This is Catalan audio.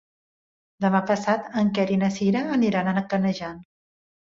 Demà passat en Quer i na Sira aniran a Canejan.